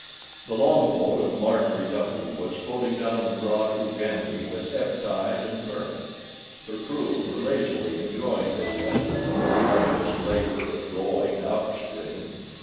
The long boat of the Marjorie W. was floating down the broad Ugambi with ebb tide and current. Her crew were lazily enjoying this respite from the arduous labor of rowing up stream.